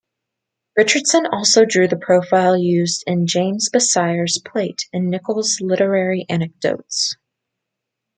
Richardson also drew the profile used in James Basire's plate in Nichols's Literary Anecdotes.